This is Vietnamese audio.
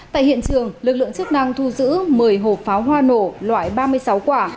tại hiện trường lực lượng chức năng thu giữ một mươi hộp pháo hoa nổ loại ba mươi sáu quả